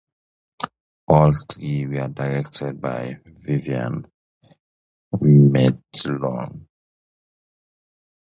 All three were directed by Vivian Matalon.